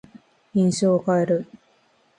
印象を変える。